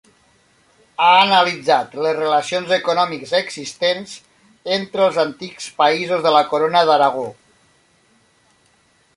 Ha analitzat les relacions econòmiques existents entre els antics països de la Corona d'Aragó.